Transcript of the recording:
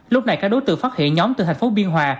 lúc này các đối tượng phát hiện nhóm từ thành phố biên hòa